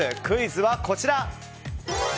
クイズはこちら。